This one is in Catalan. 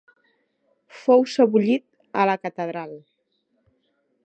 Fou sebollit a la catedral.